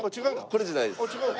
これじゃないです。